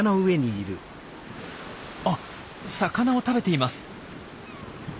あっ魚を食べています。